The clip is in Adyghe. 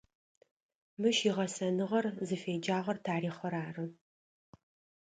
Мыщ игъэсэныгъэр, зыфеджагъэр тарихъыр ары.